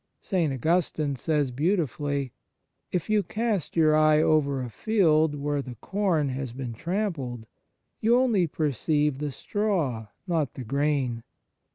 St. Augustine says beautifully: "If you cast your eye over a field where the corn has been trampled, you only perceive the straw, not the grain.